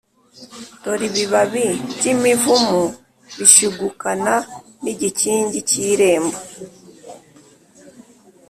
dore ibibabi by' imivumu bishigukana n' igikingi cy' irembo.